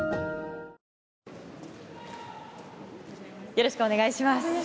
よろしくお願いします。